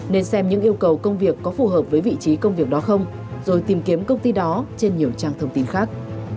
nên xem những yêu cầu công việc có phù hợp với vị trí công việc đó không rồi tìm kiếm công ty đó trên nhiều trang thông tin khác